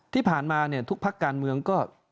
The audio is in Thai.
ที่ผ่านมาเนี่ยทุกพักการเมืองก็